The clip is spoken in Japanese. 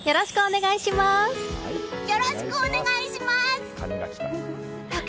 よろしくお願いします！